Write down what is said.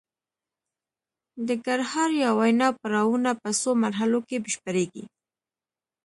د ګړهار یا وینا پړاوونه په څو مرحلو کې بشپړیږي